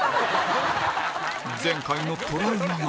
前回のトラウマが